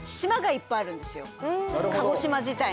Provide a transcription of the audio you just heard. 鹿児島自体に。